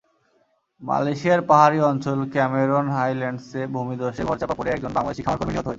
মালয়েশিয়ার পাহাড়ি অঞ্চল ক্যামেরন হাইল্যান্ডসে ভূমিধসে ঘরচাপা পড়ে একজন বাংলাদেশি খামারকর্মী নিহত হয়েছেন।